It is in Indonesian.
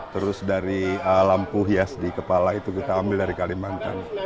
terus dari lampu hias di kepala itu kita ambil dari kalimantan